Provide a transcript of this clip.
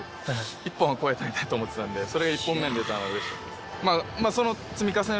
１本は越えたいなと思ってたのでそれが１本目に出たのでうれしかったですね。